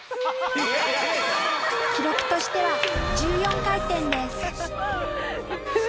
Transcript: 記録としては１４回転です。